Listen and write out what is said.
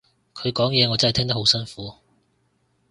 佢講嘢我真係聽得好辛苦